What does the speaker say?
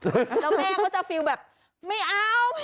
แล้วแม่ก็จะฟิล์มแบบไม่เอาไม่ต้องซื้อ